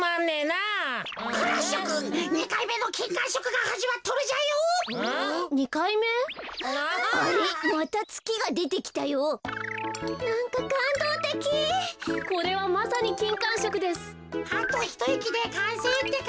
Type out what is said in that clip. あとひといきでかんせいってか。